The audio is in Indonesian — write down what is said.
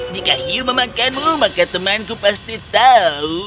jika hiu memakanmu maka temanku pasti tahu